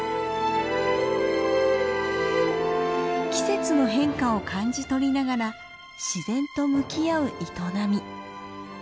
季節の変化を感じ取りながら自然と向き合う営み。